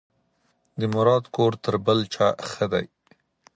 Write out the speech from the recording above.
د مراد کور تر بل چا ښه دی.